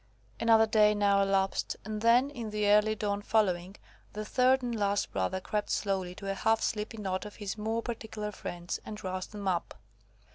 Another day now elapsed, and then, in the early dawn following, the third and last brother crept slowly to a half sleepy knot of his more particular friends, and roused them up.